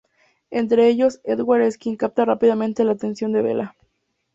Entre ellos, Edward es quien capta rápidamente la atención de Bella.